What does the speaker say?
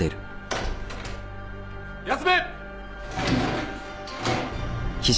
休め！